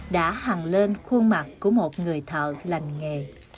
đã hằng lên khuôn mặt của một người thợ lành nghề